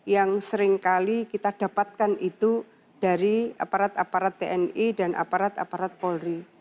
yang seringkali kita dapatkan itu dari aparat aparat tni dan aparat aparat polri